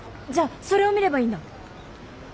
じゃあそれを見ればいいんだ。